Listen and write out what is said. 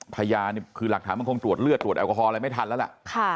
พยานคือหลักฐานมันคงตรวจเลือดตรวจแอลกอฮอลอะไรไม่ทันแล้วล่ะ